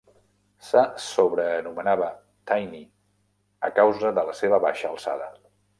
Se sobrenomenava "Tiny", a causa de la seva baixa alçada.